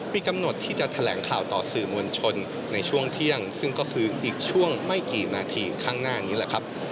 มีกำหนดที่จะแถลงข่าวต่อสื่อมวลชนในช่วงเที่ยงซึ่งก็คืออีกช่วงไม่กี่นาทีข้างหน้านี้แหละครับ